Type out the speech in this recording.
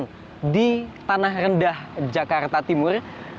yang di tanah rendah jakarta timur